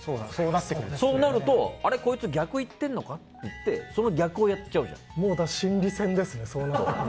そうなると、あれ、こいつ逆言ってるのかって心理戦です、そうなってくると。